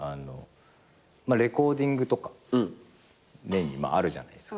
レコーディングとか年にあるじゃないですか。